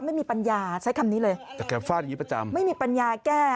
ไม่มีปัญญาใช้คำนี้เลยแต่แกฟาดอย่างงี้ประจำไม่มีปัญญาแก้